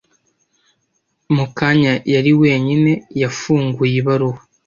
Mu kanya yari wenyine yafunguye ibaruwa.